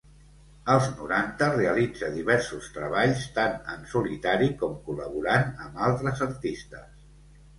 Als noranta realitza diversos treballs tant en solitari com col·laborant amb altres artistes.